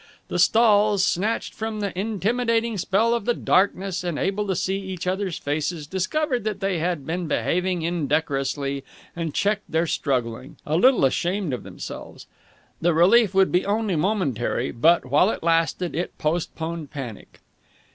The stalls, snatched from the intimidating spell of the darkness and able to see each other's faces, discovered that they had been behaving indecorously and checked their struggling, a little ashamed of themselves. The relief would be only momentary, but, while it lasted, it postponed panic.